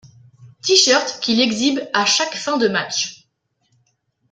T-shirt qu'il exhibe à chaque fin de match.